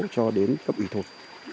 cho đến cấp ủy thôn